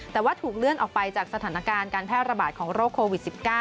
แต่ว่าถูกเลื่อนออกไปจากสถานการณ์การแพร่ระบาดของโรคโควิด๑๙